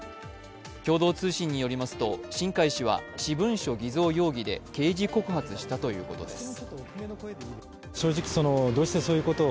共同通信によりますと、新開氏は私文書偽造容疑で刑事告発したということです。